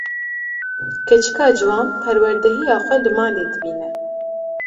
Keçika ciwan, perwerdehiya xwe li malê dibîne